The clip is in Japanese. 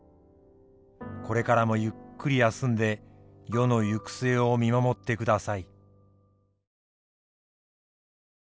これからもゆっくり休んで世の行く末を見守ってください。